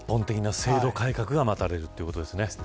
抜本的な制度改革が待たれるということですね。